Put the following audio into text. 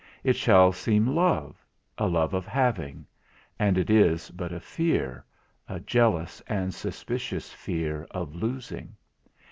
It shall seem love, a love of having; and it is but a fear, a jealous and suspicious fear of losing.